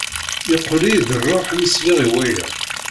Yeqqel-iyi-d rruḥ mi sliɣ i waya.